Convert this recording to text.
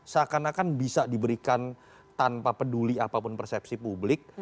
seakan akan bisa diberikan tanpa peduli apapun persepsi publik